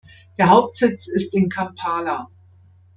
Der Hauptsitz ist in Kampala.